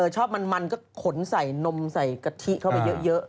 ชอบมันก็ขนใส่นมใส่กะทิเข้าไปเยอะ